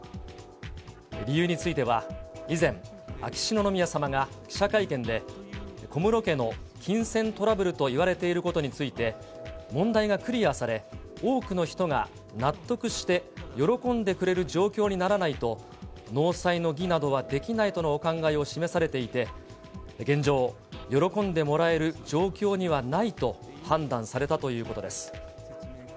理由については、以前、秋篠宮さまが記者会見で、小室家の金銭トラブルといわれていることについて、問題がクリアされ、多くの人が納得して喜んでくれる状況にならないと、納采の儀などはできないとのお考えを示されていて、現状、喜んでもらえる状況にはないと判断されたということです。